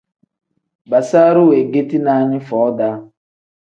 Basaru wengeti naani foo-daa.